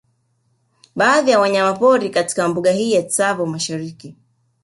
Baadhi ya wanyamapori katika mbuga hii ya Tsavo Mashariki